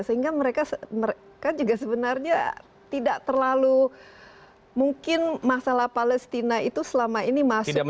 sehingga mereka juga sebenarnya tidak terlalu mungkin masalah palestina itu selama ini masuk